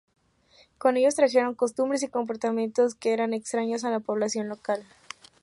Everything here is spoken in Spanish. Con ellos trajeron costumbres y comportamientos que eran extraños a la población local.